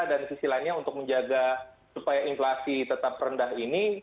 dan sisi lainnya untuk menjaga supaya inflasi tetap rendah ini